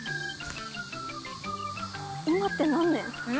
今って何年？え？